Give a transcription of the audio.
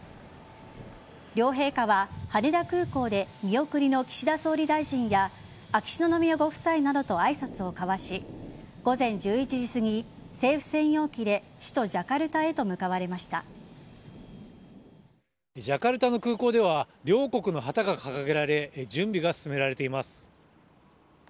両陛下は羽田空港で見送りの岸田総理大臣や秋篠宮ご夫妻などと挨拶を交わし午前１１時すぎ、政府専用機で首都・ジャカルタへとジャカルタの空港では両国の旗が掲げられ準備が進められています。